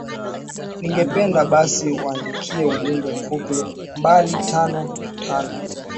ningependa basi utuandikie ujumbe mfupi mbili tano tano